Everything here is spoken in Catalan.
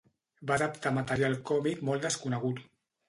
Va adaptar material còmic molt conegut.